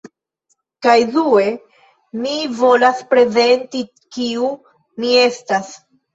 Kaj due, mi volas prezenti kiu mi estas